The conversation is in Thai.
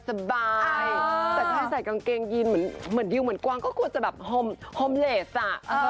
สบายแต่ถ้าใส่กางเกงยีนเหมือนดิวเหมือนกวางก็ควรจะแบบโฮมเลสอ่ะ